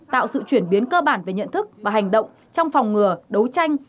tạo sự chuyển biến cơ bản về nhận thức và hành động trong phòng ngừa đấu tranh